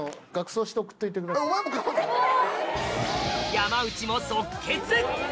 山内も即決！